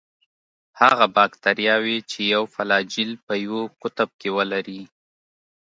هغه باکتریاوې چې یو فلاجیل په یوه قطب کې ولري.